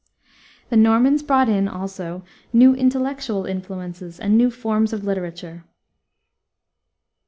The Normans brought in also new intellectual influences and new forms of literature.